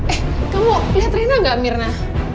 eh kamu liat rena gak mirna